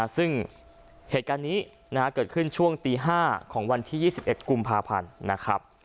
ซึ่งเหตุการณ์นี้เกิดขึ้นช่วงตี๕ของวันที่๒๑กุมภาพันธ์นะครับ